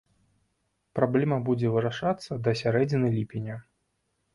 Праблема будзе вырашацца да сярэдзіны ліпеня.